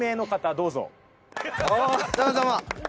どうもどうも！